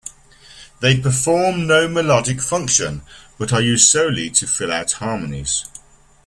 They perform no melodic function, but are used solely to fill out harmonies.